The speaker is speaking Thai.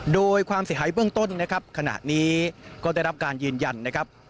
โดยความเสียหายเบื้องต้นนะครับขณะนี้ก็ได้รับการยืนยันนะครับ